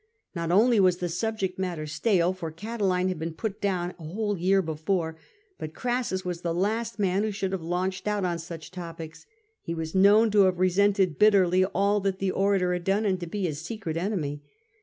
Not only was the subject matter stale, for Catiline bad been put down a whole year before, but Crassus was the last man who should have launched out on such topics. He was known to resent bitterly all that the orator had done, and to be his secret enemy.